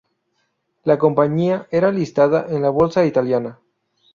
La compañía era listada en la bolsa italiana.